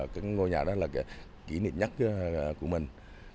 cái ngôi nhà đó là cái kỷ niệm nhất của mình